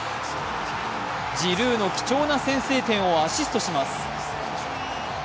ジルーの貴重な先制点をアシストします。